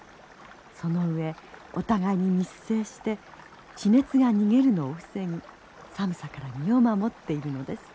その上お互いに密生して地熱が逃げるのを防ぎ寒さから身を守っているのです。